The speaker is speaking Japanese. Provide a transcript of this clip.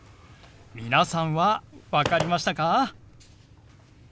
皆さんは分かりましたか？